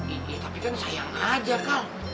iya tapi kan sayang aja kal